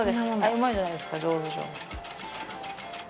うまいじゃないですか上手上手。